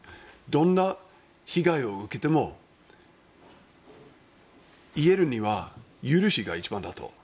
どんな被害を受けても癒えるには許しが一番だと。